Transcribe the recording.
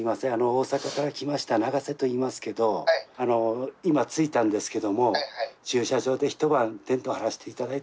大阪から来ました永瀬といいますけどあの今着いたんですけども駐車場で一晩テント張らして頂いて。